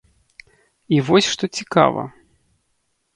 І вось што цікава.